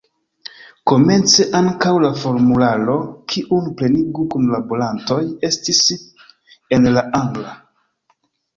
Komence ankaŭ la formularo, kiun plenigu kunlaborantoj, estis en la angla.